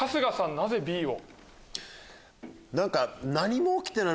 なぜＢを？